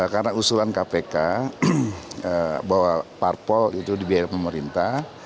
karena usulan kpk bahwa parpol itu dibiayai oleh pemerintah